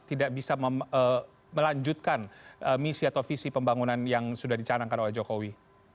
tidak bisa melanjutkan misi atau visi pembangunan yang sudah dicanangkan oleh jokowi